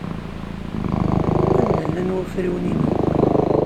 Anda llan wafriwen-inu?